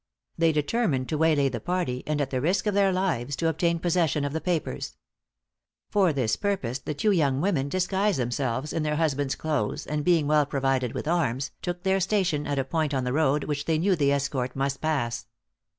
They determined to waylay the party, and at the risk of their lives, to obtain possession of the papers. For this purpose the two young women disguised themselves in their husbands' clothes, and being well provided with arms, took their station at a point on the road which they knew the escort must pass.